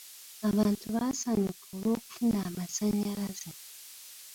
Abantu baasanyuka olw'okufuna amasanyalaze.